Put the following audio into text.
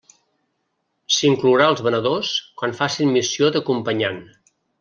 S'inclourà els venedors quan facin missió d'acompanyant.